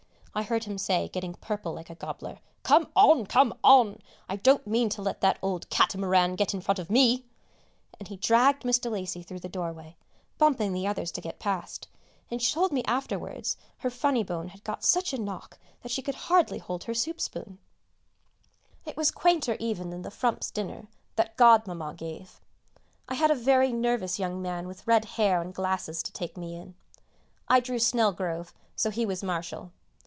I heard him say, getting purple like a gobbler, "Come on, come on, I don't mean to let that old catamaran get in front of me!" And he dragged Miss de Lacy through the doorway, bumping the others to get past; and she told me afterwards her funny bone had got such a knock that she could hardly hold her soup spoon! [Sidenote: Marshall and Snelgrove] It was quainter even than the frumps' dinner that Godmamma gave. I had a very nervous young man with red hair and glasses to take me in; I drew "Snelgrove," so he was "Marshall."